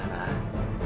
oh jangan pergi